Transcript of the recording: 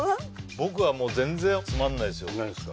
僕はもう全然つまんないすよ何ですか？